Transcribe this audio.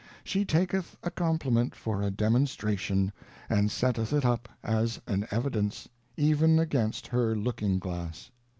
She taketh a Compliment for a Demonstration, and setteth it up as an Evidence, even against her Looking Glass.